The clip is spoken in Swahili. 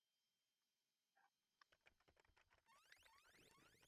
aalam hao walikwenda mbali zaidi